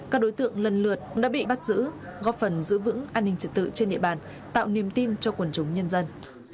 các đối tượng lần lượt đã bị bắt giữ góp phần giữ vững an ninh trật tự trên địa bàn tạo niềm tin cho quần chúng nhân dân